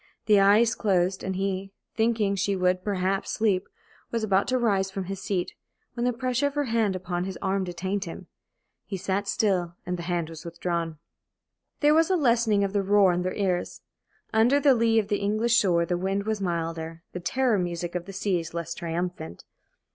The eyes closed, and he, thinking she would perhaps sleep, was about to rise from his seat, when the pressure of her hand upon his arm detained him. He sat still and the hand was withdrawn. There was a lessening of the roar in their ears. Under the lee of the English shore the wind was milder, the "terror music" of the sea less triumphant.